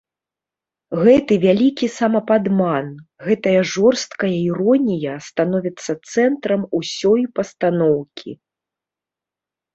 Гэты вялікі самападман, гэтая жорсткая іронія становіцца цэнтрам усёй пастаноўкі.